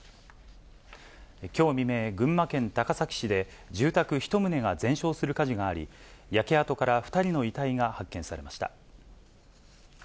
きょう未明、群馬県高崎市で、住宅１棟が全焼する火事があり、焼け跡から２人の遺体が発見されました。